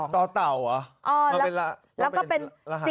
ต่อเต่าเหรอแล้วก็เป็น๔๘๒๖๓๙๘